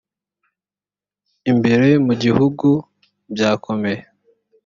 imbere mu gihugu byakomeye